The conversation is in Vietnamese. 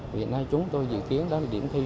vì thế này chúng tôi dự kiến đó là điểm thi